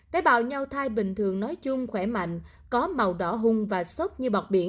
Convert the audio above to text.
tế bào nhau thai bình thường nói chung khỏe mạnh có màu đỏ hung và sốc như bọc biển